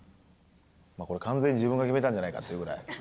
完全に自分で決めたんじゃないかというぐらい。